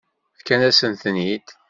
Fkan-asent-ten-id.